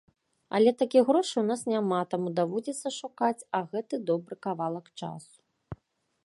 Але такіх грошай у нас няма, таму даводзіцца шукаць, а гэты добры кавалак часу.